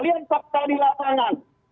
lihat fakta di lapangan